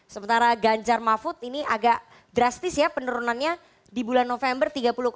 sementara ganjar mahfud ini agak drastis ya penurunannya di bulan november tiga puluh dua